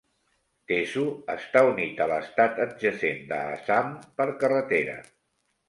Tezu està unit a l'estat adjacent de Assam per carretera.